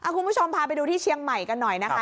คุณผู้ชมพาไปดูที่เชียงใหม่กันหน่อยนะคะ